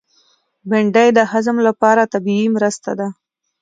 بېنډۍ د هضم لپاره طبیعي مرسته ده